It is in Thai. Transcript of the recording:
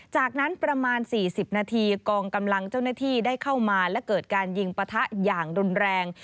จากนั้นประมาณ๔๐นาทีกองกำลังเจ้าหน้าที่ได้เข้ามาและเกิดการยิงปะทะอย่างรุนแรง